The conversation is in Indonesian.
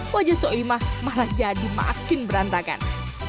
wajah soeimah malah jadi makin berantakan